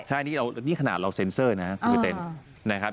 ใช่นี่ขนาดเราเซ็นเซอร์นะคุณพี่เต้นนะครับ